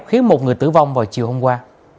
khiến một người tử vong vào chiều hôm qua